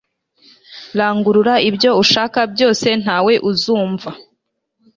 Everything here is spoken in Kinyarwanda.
Rangurura ibyo ushaka byose Ntawe uzumva